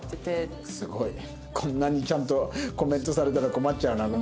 こんなにちゃんとコメントされたら困っちゃうな。